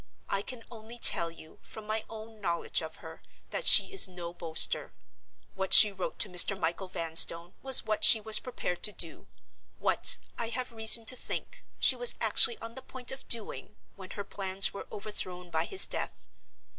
I can only tell you, from my own knowledge of her, that she is no boaster. What she wrote to Mr. Michael Vanstone was what she was prepared to do— what, I have reason to think, she was actually on the point of doing, when her plans were overthrown by his death.